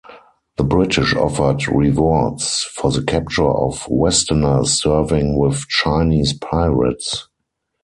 The British offered rewards for the capture of westerners serving with Chinese pirates.